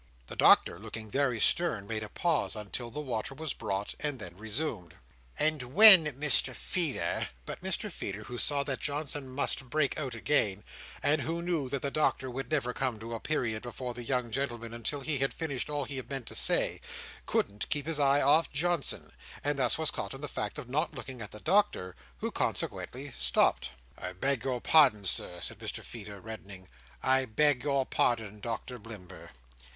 The Doctor, looking very stern, made a pause until the water was brought, and then resumed: "And when, Mr Feeder—" But Mr Feeder, who saw that Johnson must break out again, and who knew that the Doctor would never come to a period before the young gentlemen until he had finished all he meant to say, couldn't keep his eye off Johnson; and thus was caught in the fact of not looking at the Doctor, who consequently stopped. "I beg your pardon, Sir," said Mr Feeder, reddening. "I beg your pardon, Doctor Blimber."